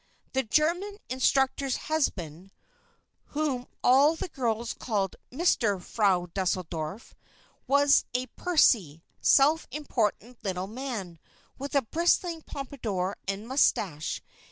The German instructor's husband, whom all the girls called "Mister Frau Deuseldorf," was a pursy, self important little man, with a bristling pompadour and mustache.